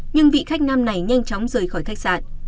nhưng vị khách nam này nhanh chóng rời khỏi khách sạn